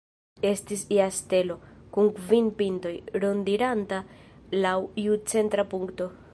Estis ja stelo, kun kvin pintoj, rondiranta laŭ iu centra punkto.